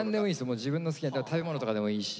もう自分の好きな食べ物とかでもいいし。